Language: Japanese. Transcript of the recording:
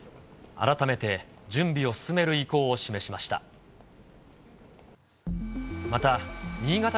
改めて、準備を進める意向を示しました。